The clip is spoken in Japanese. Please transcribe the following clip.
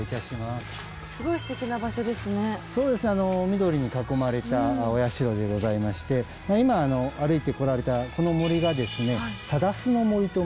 緑に囲まれたお社でございまして今歩いてこられたこの森が。